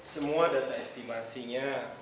semua data estimasinya